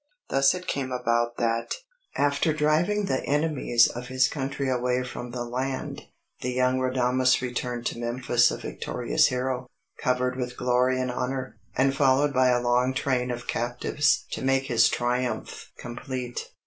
Thus it came about that, after driving the enemies of his country away from the land, the young Radames returned to Memphis a victorious hero, covered with glory and honour, and followed by a long train of captives to make his triumph complete.